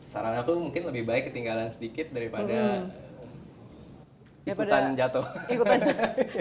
saran aku mungkin lebih baik ketinggalan sedikit daripada ikutan jatuh ikut aja